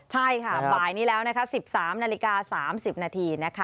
ใช่ค่ะบ่ายนี้แล้ว๑๓นาฬิกา๓๐นาที